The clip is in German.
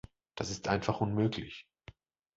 Das ist einfach unmöglich.